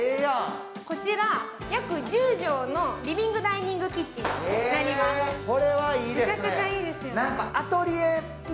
こちら約１０畳のリビングダイニングキッチンです。